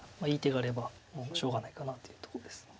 いい手があればしょうがないかなというとこです。